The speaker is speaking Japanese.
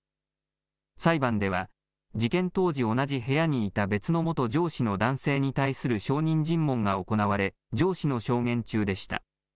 裁判では、事件当時、同じ部屋にいた別の元上司の男性に対する証人尋問が行われ、上司の証言中でした。